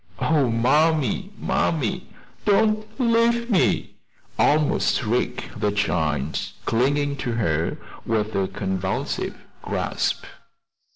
"Oh, mammy, mammy, don't leave me!" almost shrieked the child, clinging to her with a convulsive grasp.